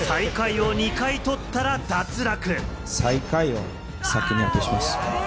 最下位を２回取ったら脱落。